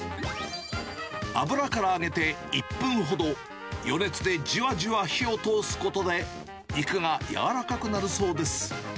油から上げて、１分ほど余熱でじわじわ火を通すことで、肉が柔らかくなるそうです。